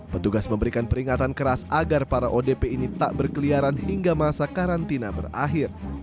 petugas memberikan peringatan keras agar para odp ini tak berkeliaran hingga masa karantina berakhir